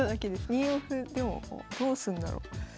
２四歩でもどうすんだろう。